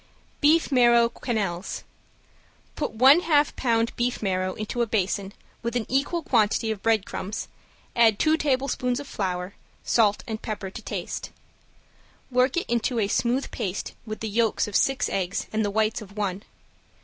~BEEF MARROW QUENELLES~ Put one half pound beef marrow into a basin, with an equal quantity of breadcrumbs, add two tablespoons of flour; salt and pepper to taste. Work it into a smooth paste with the yolks of six eggs and the whites of one.